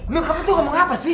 belum kamu tuh ngomong apa sih